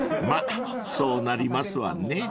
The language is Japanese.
［まっそうなりますわね］